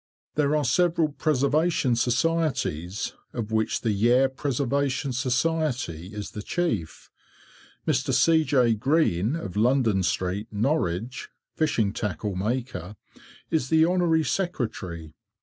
There are several preservation societies, of which the Yare Preservation Society is the chief. Mr. C. J. Greene, of London Street, Norwich, Fishing Tackle Maker, is the honorary secretary.